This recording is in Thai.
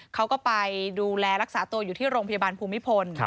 เขาก็ไปดูแลรักษาตัวอยู่ที่โรงพยาบาลภูมิพล